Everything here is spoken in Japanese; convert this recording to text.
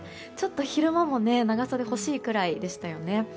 昼間も長袖が欲しいくらいでしたよね。